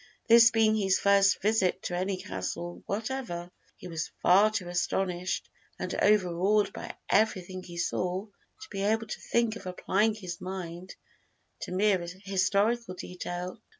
This being his first visit to any castle whatever, he was far too much astonished and overawed by everything he saw to be able to think of applying his mind to mere historical detail.